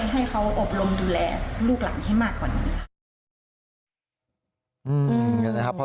ให้เขาอบรมดูแลลูกหลานให้มากกว่านี้ค่ะ